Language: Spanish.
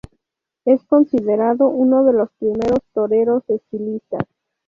Es considerado uno de los primeros toreros estilistas.